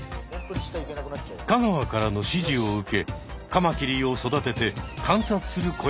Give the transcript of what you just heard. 香川からの指示を受けカマキリを育てて観察する小屋が完成。